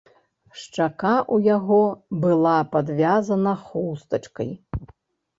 Шчака ў яго была падвязана хустачкай.